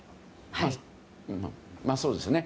まあ、そうですね。